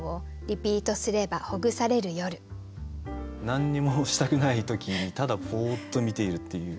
何にもしたくない時にただぼーっと見ているっていう。